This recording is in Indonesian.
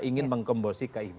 ingin menggembosi kib